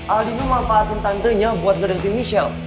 aldino mah pahatin tantenya buat ngedenti michelle